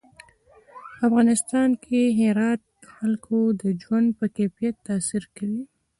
په افغانستان کې هرات د خلکو د ژوند په کیفیت تاثیر کوي.